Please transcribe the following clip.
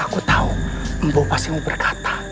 aku tahu mbopo masih mau berkata